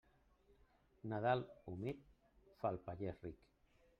Nadal humit fa el pagès ric.